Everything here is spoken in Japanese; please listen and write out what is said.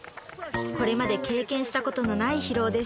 これまで経験したことのない疲労です